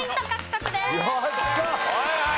はいはい。